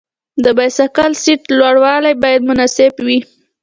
د بایسکل سیټ لوړوالی باید مناسب وي.